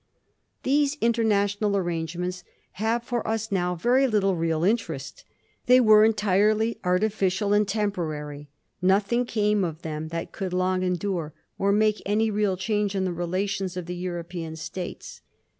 These international arrangements have for us now very little real interest. They were entirely artificial and temporary. Nothing came of them that could long endure, or make any real change in the relations of the European States.